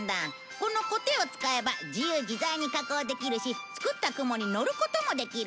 このコテを使えば自由自在に加工できるし作った雲に乗ることもできる。